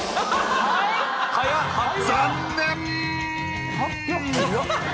残念！